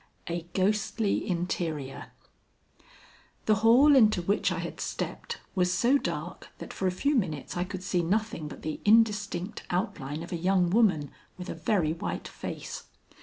IV A GHOSTLY INTERIOR The hall into which I had stepped was so dark that for a few minutes I could see nothing but the indistinct outline of a young woman with a very white face.